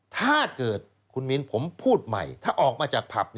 ถ้าเกิดคุณมินผมพูดใหม่ถ้าออกมาจากผับ